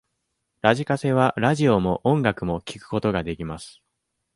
ラジカセはラジオも音楽も聞くことができます。